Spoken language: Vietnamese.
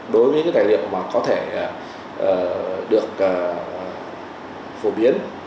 đối với tài liệu có thể được phổ biến